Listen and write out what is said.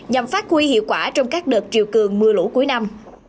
nhằm phát huy hiệu quả trong các đợt triều cường mưa lũ cuối năm